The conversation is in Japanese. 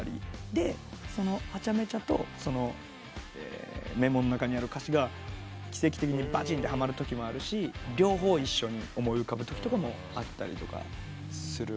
でそのハチャメチャとメモの中にある歌詞が奇跡的にばちんとはまるときもあるし両方一緒に思い浮かぶときとかあったりする。